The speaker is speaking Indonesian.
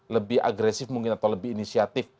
lebih agresif mungkin atau lebih inisiatif